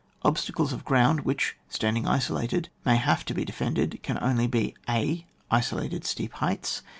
Obstacles of ground which, standing isolated, may have to be defended can only be — (a.) Isolated steep Heights.